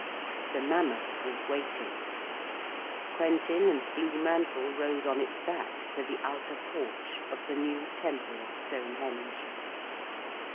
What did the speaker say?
The mammoth was waiting. Quentin and Blue Mantle rode on its back to the outer porch of the new temple of Stonehenge.